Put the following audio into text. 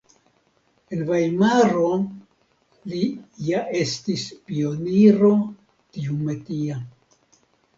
En Vajmaro li ja estis pioniro tiumetia.